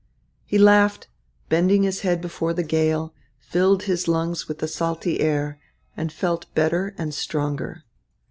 He laughed, bending his head before the gale, filled his lungs with the salty air, and felt better and stronger.